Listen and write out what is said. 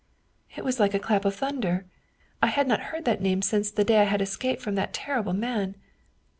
It was like a clap of thunder. I had not heard that name since the day I had escaped from that terrible man.